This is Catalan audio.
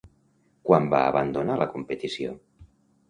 Quan va abandonar la competició?